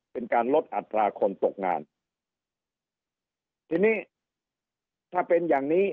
เป็นการลดอัตราคนตกงานทีนี้ถ้าเป็นอย่างนี้